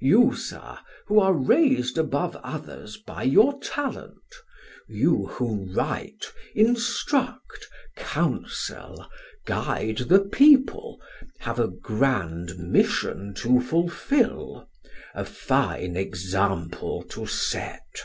You, sir, who are raised above others by your talent you who write, instruct, counsel, guide the people, have a grand mission to fulfill a fine example to set."